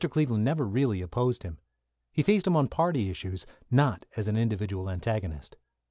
Cleveland never really opposed him. He faced him on party issues, not as an individual antagonist.